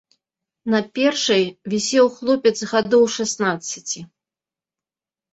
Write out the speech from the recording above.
На першай вісеў хлопец гадоў шаснаццаці.